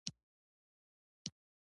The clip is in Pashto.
د میوو صادرات د اسعارو سرچینه ده.